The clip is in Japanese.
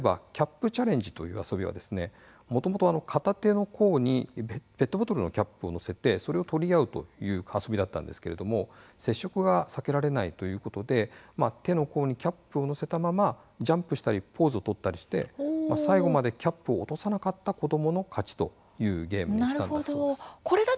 例えばキャップチャレンジという遊びはもともと片手の甲にペットボトルのキャップを載せてそれを取り合うという遊びだったんですけれども接触が避けられないということで手の甲にキャップを載せたままジャンプをしたポーズを取ったりして最後までキャップを落とさなかった子どもの勝ちというゲームにしたんだそうです。